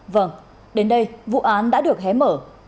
vâng đến đây vụ án đã được hé mở